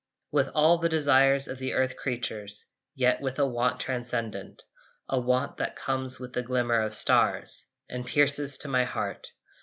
With all the desires of the earth creatures; Yet with a want transcendent, A want that comes with the glimmer of stars And pierces to my heart.